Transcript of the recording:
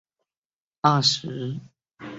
太微垣有星官二十个。